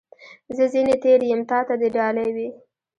زه ځني تېر یم ، تا ته دي ډالۍ وي .